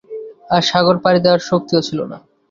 আর সাগর পাড়ি দেয়ার শক্তিও ছিল না।